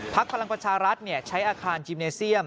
พลังประชารัฐใช้อาคารจิมเนเซียม